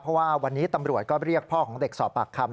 เพราะว่าวันนี้ตำรวจก็เรียกพ่อของเด็กสอบปากคำ